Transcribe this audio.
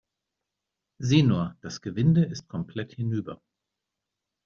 Sieh nur, das Gewinde ist komplett hinüber.